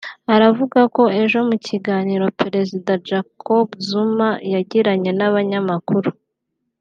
aravuga ko ejo mu kiganiro Perezida Jacob Zuma yagiranye n’ abanyamakuru